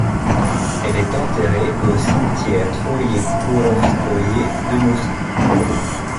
Elle est enterrée au cimetière Troïekourovskoïe de Moscou.